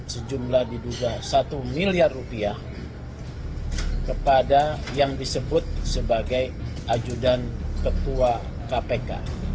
sejumlah diduga satu miliar rupiah kepada yang disebut sebagai ajudan ketua kpk